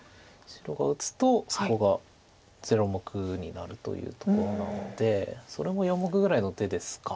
白が打つとそこが０目になるというところなのでそれも４目ぐらいの手ですか。